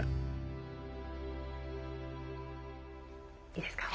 いいですか？